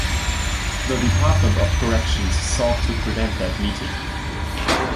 The Department of Corrections sought to prevent that meeting.